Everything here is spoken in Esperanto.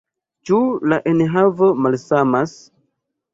Ĉu la enhavo malsamas?